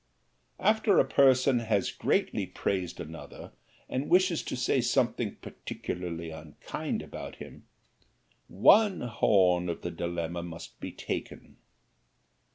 After a person has greatly praised another, and wishes to say something particularly unkind about him, one horn of the dilemma must be taken.